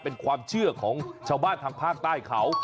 เป็นความเชื่อของชาวบ้านทางภาคใต้เขา